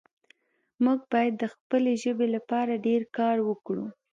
موږ باید د خپلې ژبې لپاره ډېر کار وکړو